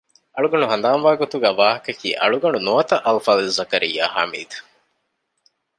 އަޅުގަނޑު ހަނދާންވާ ގޮތުގައި ވާހަކަ ކިއީ އަޅުގަޑު ނުވަތަ އަލްފާޟިލް ޒަކަރިޔާ ޙަމީދު